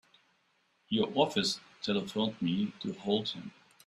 Your office telephoned me to hold him.